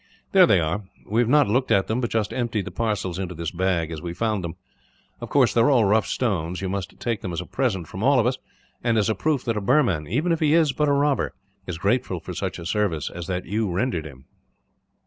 "There they are. We have not looked at them, but just emptied the parcels into this bag, as we found them. Of course, they are all rough stones. You must take them as a present, from all of us; and as a proof that a Burman, even if he is but a robber, is grateful for such a service as that you rendered him."